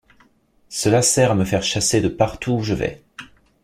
Cela sert à me faire chasser de partout où je vais.